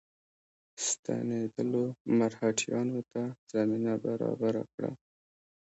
ستنېدلو مرهټیانو ته زمینه برابره کړه.